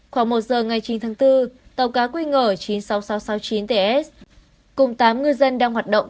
khoảng một giờ ngày chín tháng bốn tàu cá qng chín mươi sáu nghìn sáu trăm sáu mươi chín ts cùng tám ngư dân đang hoạt động